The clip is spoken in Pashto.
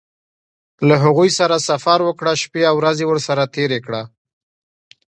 له هغوی سره سفر وکړه شپې او ورځې ورسره تېرې کړه.